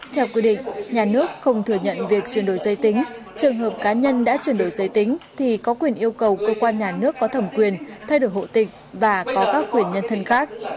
theo quy định nhà nước không thừa nhận việc chuyển đổi giới tính trường hợp cá nhân đã chuyển đổi giới tính thì có quyền yêu cầu cơ quan nhà nước có thẩm quyền thay đổi hộ tịch và có các quyền nhân thân khác